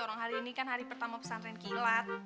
orang hari ini kan hari pertama pesan renkilat